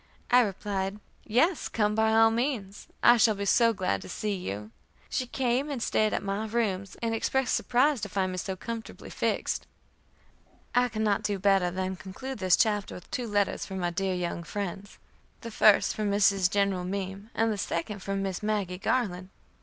I replied, "Yes, come by all means. I shall be so glad to see you." She came and stayed at my rooms, and expressed surprise to find me so comfortably fixed. I can not do better than conclude this chapter with two letters from my dear young friends, the first from Mrs. General Meem, and the second from Miss Maggie Garland.